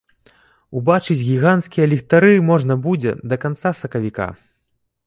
Убачыць гіганцкія ліхтары можна будзе да канца сакавіка.